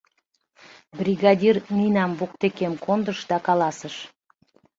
Бригадир Нинам воктекем кондыш да каласыш: